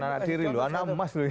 anak diri lho anak emas lho